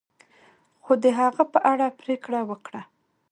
خو د هغه په اړه پریکړه وکړه.